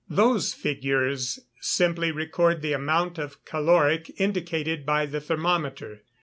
_ Those figures simply record the amount of calorie indicated by the thermometer.